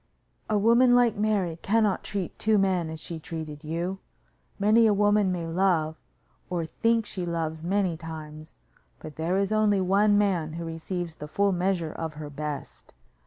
"A woman like Mary cannot treat two men as she treated you. Many a woman may love, or think she loves many times, but there is only one man who receives the full measure of her best.